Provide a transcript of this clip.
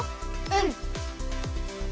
うん。